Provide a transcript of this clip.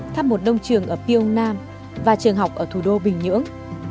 thăm một đông trường ở pyeongnam và trường học ở thủ đô bình nhưỡng